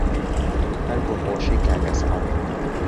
هەر بۆ خۆشی کاک ئەسعەد